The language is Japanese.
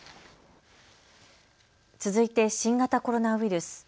続いて新型コロナウイルス。